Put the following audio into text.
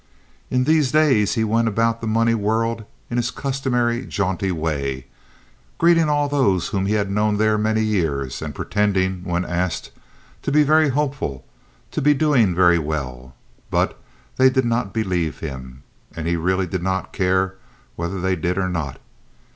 In these days he went about the money world in his customary jaunty way, greeting all those whom he had known there many years and pretending, when asked, to be very hopeful, to be doing very well; but they did not believe him, and he really did not care whether they did or not.